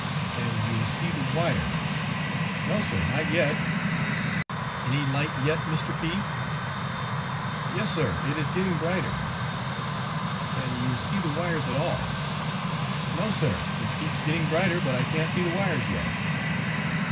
"Can you see the wires?" "No, sir, not yet." "Any light yet, Mr. P ?" "Yes, sir, it is getting brighter." "Can you see the wires at all?" "No, Sir; it keeps getting brighter, but I can't see the wires yet."